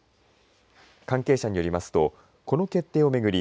関係者によりますとこの決定を巡り